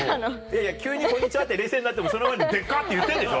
急に「こんにちは」って冷静になってもその前に「デッカ！」って言ってんでしょ？